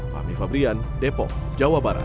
fahmi fabrian depok jawa barat